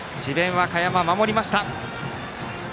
和歌山、守りました。